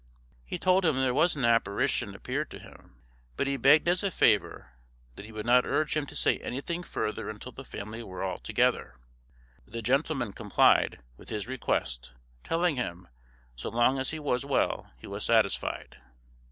He told him there was an apparition appeared to him, but he begged as a favour that he would not urge him to say anything further until the family were altogether. The gentleman complied with his request, telling him, so long as he was well he was satisfied.